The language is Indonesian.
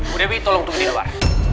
bu dewi tolong tunggu di luar